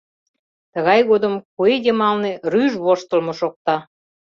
Тыгай годым куэ йымалне рӱж воштылмо шокта.